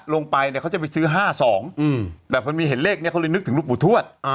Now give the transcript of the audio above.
ลงไปเนี่ยเขาจะไปซื้อ๕๒แต่พอมีเห็นเลขนี้เขาเลยนึกถึงหลวงปู่ทวด